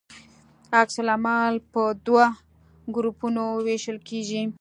عکس العمل په دوه ګروپونو ویشل کیږي.